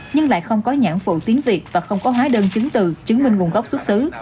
nhưng lại không có nhãn phụ tiếng việt và không có hóa đơn chứng từ chứng minh nguồn gốc xuất xứ